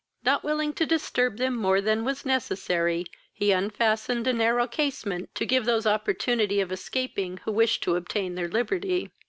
Not willing to disturb them more than was necessary, he unfastened a narrow casement, to give those opportunity of escaping who wished to obtain their liberty.